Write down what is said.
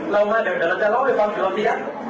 เรามาเดี๋ยวเราจะเล่าให้ฟังคุณตอนนี้